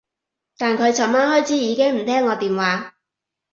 但佢噚晚開始已經唔聽我電話